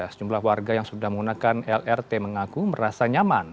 sejumlah warga yang sudah menggunakan lrt mengaku merasa nyaman